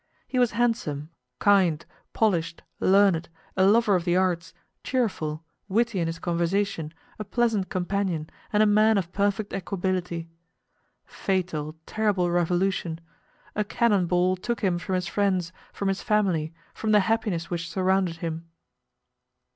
He was handsome, kind, polished, learned, a lover of the arts, cheerful, witty in his conversation, a pleasant companion, and a man of perfect equability. Fatal, terrible revolution! A cannon ball took him from his friends, from his family, from the happiness which surrounded him.